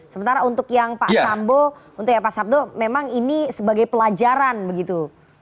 sementara untuk yang pak sambo untuk yang pak sabdo memang ini sebagai pelajaran begitu